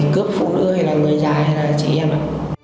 một đứa hay là người già hay là chị em ạ